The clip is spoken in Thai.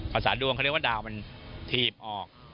ภาษาดวงเขาเรียกว่าดาวมันถีบออก